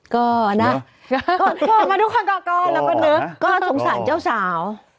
ก็นะมาดูค่ะก่อนแล้วก็เนอะก็สงสัยเจ้าสาว